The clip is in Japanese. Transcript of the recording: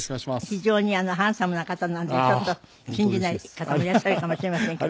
非常にハンサムな方なんでちょっと信じない方もいらっしゃるかもしれませんけど。